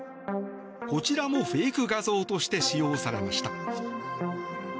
こちらも、フェイク画像として使用されました。